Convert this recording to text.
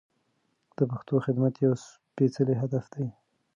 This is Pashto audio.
د پښتو خدمت یو سپېڅلی هدف دی.